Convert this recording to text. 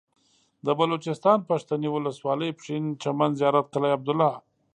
د بلوچستان پښتنې ولسوالۍ پشين چمن زيارت قلعه عبدالله